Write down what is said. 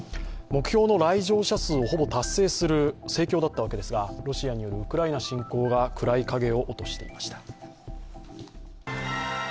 目標の来場者数をほぼ達成する盛況だったわけですが、ロシアによるウクライナ侵攻が暗い影を落としていました。